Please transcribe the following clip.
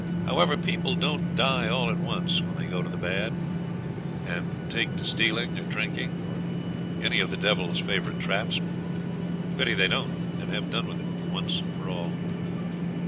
However, people don't die all at once when they go to the bad, and take to stealing or drinking, or any of the devil's favourite traps. Pity they don't, and have done with it once and for all.